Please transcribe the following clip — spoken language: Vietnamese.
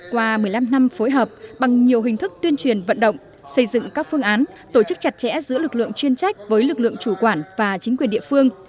qua một mươi năm năm phối hợp bằng nhiều hình thức tuyên truyền vận động xây dựng các phương án tổ chức chặt chẽ giữa lực lượng chuyên trách với lực lượng chủ quản và chính quyền địa phương